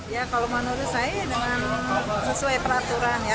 ya kalau menurut saya dengan sesuai peraturan ya